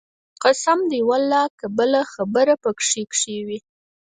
قسم دى ولله که بله خبره پکښې کښې وي.